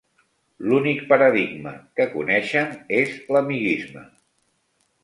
"L'únic paradigma que coneixen és l'amiguisme.